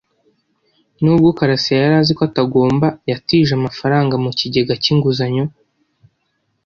Nubwo karasira yari azi ko atagomba, yatije amafaranga mu kigega cy'inguzanyo.